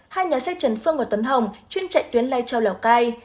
hai nhà xe trần phương và tuấn hồng chuyên chạy tuyến lai châu lào cai